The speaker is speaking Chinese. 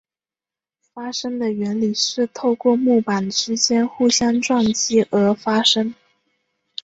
发声的原理是透过木板之间互相撞击而发声。